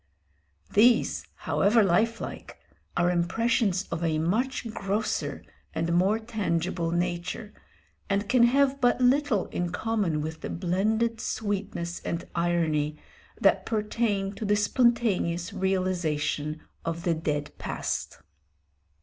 These, however lifelike, are impressions of a much grosser and more tangible nature, and can have but little in common with the blended sweetness and irony that pertain to the spontaneous realisation of the dead past.